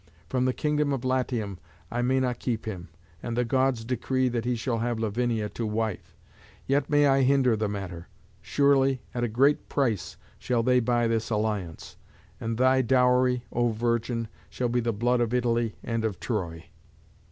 From the kingdom of Latium I may not keep him, and the Gods decree that he shall have Lavinia to wife. Yet may I hinder the matter. Surely at a great price shall they buy this alliance; and thy dowry, O virgin, shall be the blood of Italy and of Troy."